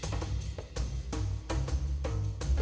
semoga hari ini berjalan baik